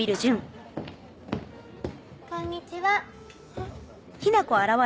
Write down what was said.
こんにちはふっ。